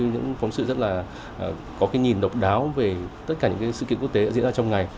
những phóng sự rất là có cái nhìn độc đáo về tất cả những sự kiện quốc tế đã diễn ra trong ngày